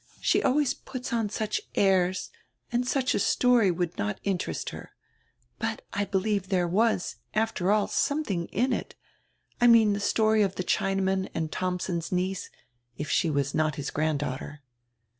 She always puts on such airs, and such a story would not inter est her. But I believe diere was, after all, something in it, I mean the story of die Chinaman and Thomsen's niece, if she was not his granddaughter."